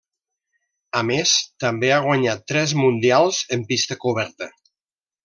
A més, també ha guanyat tres mundials en pista coberta.